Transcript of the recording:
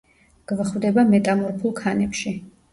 გვხვდება მეტამორფულ ქანებში.